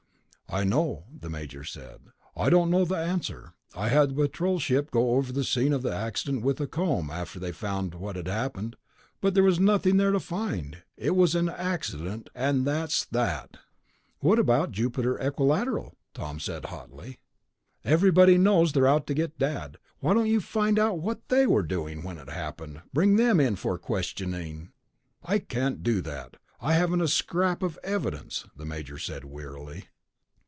"I know," the major said. "I don't know the answer. I had the Patrol ship go over the scene of the accident with a comb after they found what had happened, but there was nothing there to find. It was an accident, and that's that." "What about Jupiter Equilateral?" Tom said hotly. "Everybody knows they were out to get Dad ... why don't you find out what they were doing when it happened, bring them in for questioning...." "I can't do that, I haven't a scrap of evidence," the major said wearily.